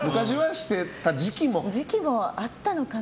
してた時期もあったのかな。